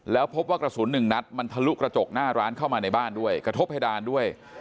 แล้วพบว่ากระสุนหนึ่งนัดมันทะลุกระจกหน้าร้านเข้ามาในบ้านด้วยกระทบเพดานด้วย